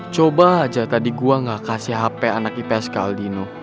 coba aja tadi gue gak kasih hp anak ipsk aldino